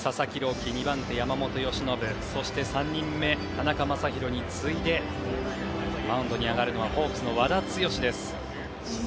希２番手、山本由伸そして３人目、田中将大に次いでマウンドに上がるのはホークスの和田毅です。